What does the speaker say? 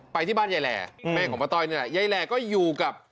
ไปที่บ้านแย่แหล่แม่ของป้าต้อยนี่แหล่ก็อยู่กับ